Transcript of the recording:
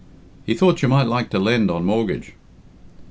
"He thought you might like to lend on mortgage."